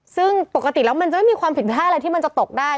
ซึ่งปกติแล้วมันจะไม่มีความผิดพลาดอะไรที่มันจะตกได้